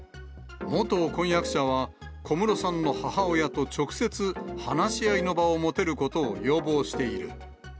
元婚約者は小室さんの母親と直接、話し合いの場を持てることを要望